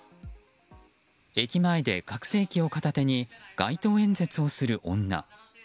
駅前で拡声器を片手に街頭演説をする女。